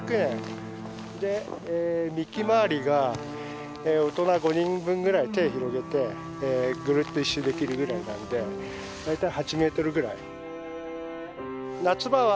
で幹回りが大人５人分ぐらい手広げてぐるっと１周できるぐらいなんで大体８ｍぐらい。